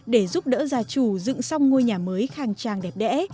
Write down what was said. để giúp đỡ gia chủ dựng xong ngôi nhà mới khang trang đẹp đẽ